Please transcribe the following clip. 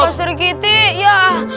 pak serikiti ya